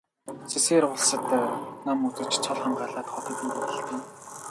Сэсээр улсад ном үзэж цол хамгаалаад хотод ирээ л дээ.